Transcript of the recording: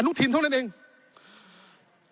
กับรุ่นตรีที่ชื่ออนุทินด์เท่านั้นเอง